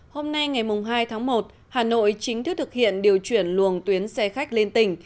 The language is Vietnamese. hôm nay ngày hai tháng một hà nội chính thức thực hiện điều chuyển luồng tuyến xe khách liên tỉnh